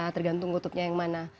tergantung kutubnya yang mana